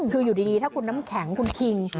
คืออยู่ดีถ้าคุณน้ำแข็งคุณคิง